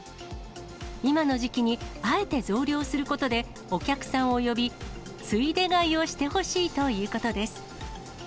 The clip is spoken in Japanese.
今の時期にあえて増量することで、お客さんを呼び、ついで買いをしてほしいということです。